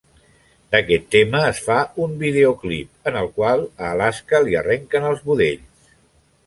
D'aquest tema es fa un videoclip en el qual a Alaska li arrenquen els budells.